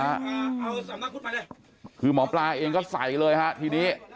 เอาสามังคุณมาเลยคือหมอปลาเองก็ใส่เลยฮะทีนี้